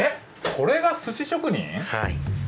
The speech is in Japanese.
これがすし職人？